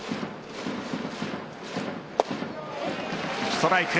ストライク。